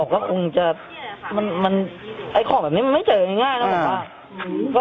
เขาก็คงจะไอ้ของแบบนี้มันไม่เจอกันง่ายนะครับ